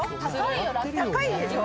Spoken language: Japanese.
高いでしょ。